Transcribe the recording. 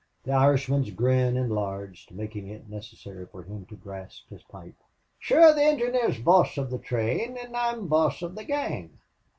The Irishman's grin enlarged, making it necessary for him to grasp his pipe. "Shure the engineer's boss of the train an' I'm boss of the gang."